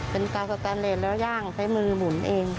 เป็นตาสแตนเลสแล้วย่างใช้มือหมุนเอง